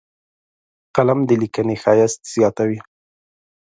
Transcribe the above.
قلم د لیکنې ښایست زیاتوي